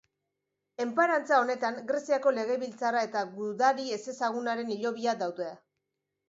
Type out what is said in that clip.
Enparantza honetan Greziako Legebiltzarra eta Gudari ezezagunaren hilobia daude.